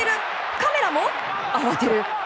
カメラも慌てる！